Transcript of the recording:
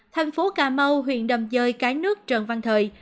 thành phố cà mau huyện đầm dơi cái nước trần văn thời